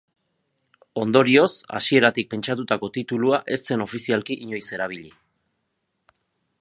Ondorioz, hasieratik pentsatutako titulua ez zen ofizialki inoiz erabili.